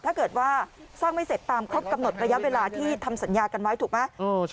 ถ้าเกิดว่าสร้างไม่เสร็จตามครบกำหนดระยะเวลาที่ทำสัญญากันไว้ถูกไหม